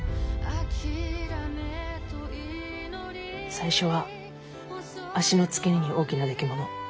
最初は足の付け根に大きなできもの。